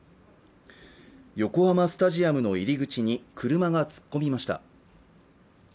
横浜スタジアムの入り口に車が突っ込みました